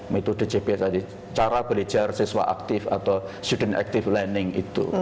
metode cp tadi cara belajar siswa aktif atau student active learning itu